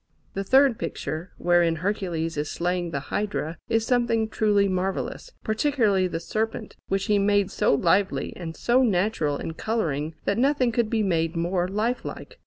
The third picture, wherein Hercules is slaying the Hydra, is something truly marvellous, particularly the serpent, which he made so lively and so natural in colouring that nothing could be made more life like.